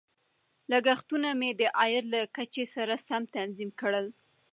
لګښتونه مې د عاید له کچې سره سم تنظیم کړل.